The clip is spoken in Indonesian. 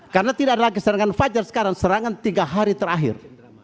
karena tidak lagi serangan fajar sekarang serangan tiga hari terakhir